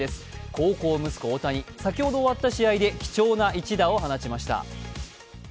孝行息子・大谷、先ほど終わった試合で貴重な１打を放ちました。